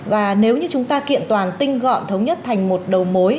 và nếu như chúng ta kiện toàn tinh gọn thống nhất thành một đầu mối